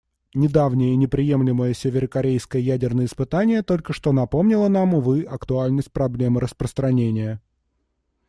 Недавнее и неприемлемое северокорейское ядерное испытание только что напомнило нам, увы, актуальность проблемы распространения.